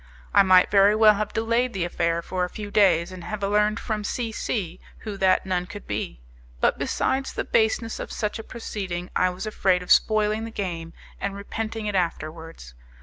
I might very well have delayed the affair for a few days, and have learned from C C who that nun could be; but, besides the baseness of such a proceeding, I was afraid of spoiling the game and repenting it afterwards.